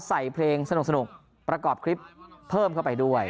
ใส่เพลงสนุกประกอบคลิปเพิ่มเข้าไปด้วย